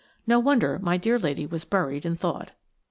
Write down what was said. No wonder my dear lady was buried in thought.